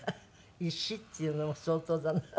石っていうのも相当だな。